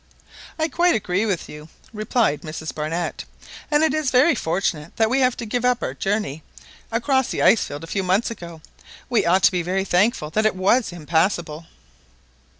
"I quite agree with you," replied Mrs Barnett, "and it is very fortunate that we had to give up our journey across the ice field a few months ago; we ought to be very thankful that it was impassible!"